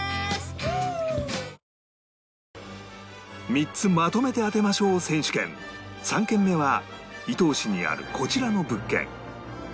３つまとめて当てましょう選手権３軒目は伊東市にあるこちらの物件